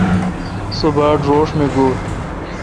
سو باڑ روݭ می گوی۔